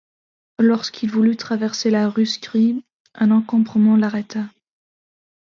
Lorsqu'il voulut traverser la rue Scribe, un encombrement l'arrêta.